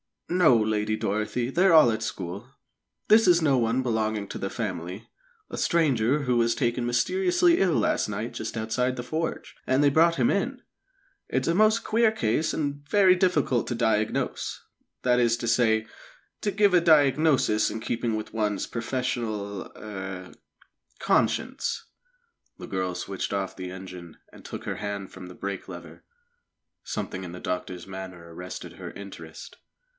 "No, Lady Dorothy; they're all at school. This is no one belonging to the family a stranger who was taken mysteriously ill last night just outside the forge, and they brought him in. It's a most queer case, and very difficult to diagnose that is to say, to give a diagnosis in keeping with one's professional er conscience." The girl switched off the engine, and took her hand from the brake lever. Something in the doctor's manner arrested her interest.